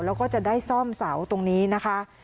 แล้วก็จะได้ซ่อมเสาตรงนี้นะคะ